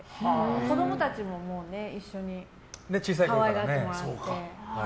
子供たちも一緒に可愛がってもらって。